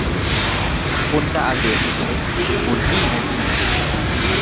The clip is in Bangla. কোনটা আগে এসেছে, মুর্গি না ডিম?